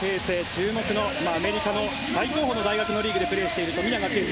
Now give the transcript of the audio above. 注目のアメリカの最高峰の大学でプレーしているプレーしている富永啓生